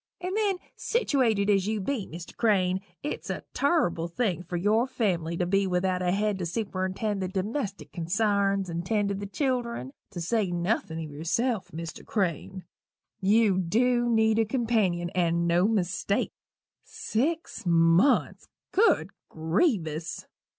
And then, sittiwated as you be, Mr. Crane, it's a turrible thing for your family to be without a head to superintend the domestic consarns and tend to the children to say nothin' o' yerself, Mr. Crane. You dew need a companion, and no mistake. Six months! Good grievous!